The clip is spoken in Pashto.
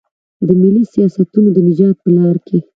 د ملي سیاستونو د نجات په لار کې.